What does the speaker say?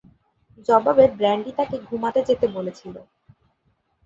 জবাবে, ব্র্যান্ডি তাকে "ঘুমাতে যেতে" বলেছিল।